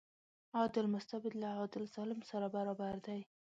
عادل مستبد له عادل ظالم سره برابر دی.